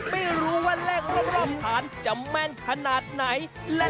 ไม่รู้ว่าเลขรอบฐานจะแม่นขนาดไหน